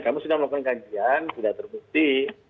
kami sudah melakukan kajian tidak terbukti